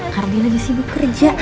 hardi lagi sibuk kerja